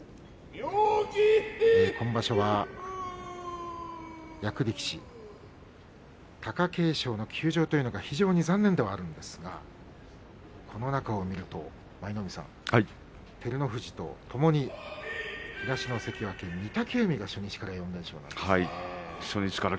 今場所は役力士貴景勝の休場というのが非常に残念ではあるんですがこの中を見ると、舞の海さん照ノ富士とともに東の関脇御嶽海が初日から４連勝です。